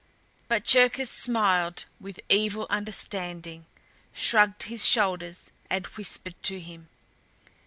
But Cherkis smiled with evil understanding, shrugged his shoulders and whispered to him.